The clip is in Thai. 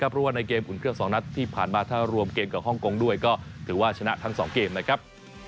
ก็จะทำกากเป็นพอรพฤตของทีมชาติไทยไปลองฟังบางตอนกันครับ